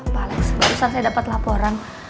pak alex barusan saya dapat laporan